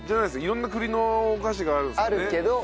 色んな栗のお菓子があるんですけど。